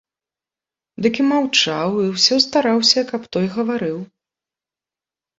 Дык і маўчаў і ўсё стараўся, каб той гаварыў.